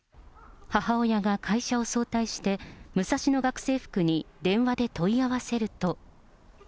母親が会社を早退して、ムサシノ学生服に電話で問い合わせると。